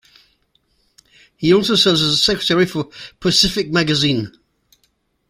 He also serves as a secretary for "Pacific Magazine".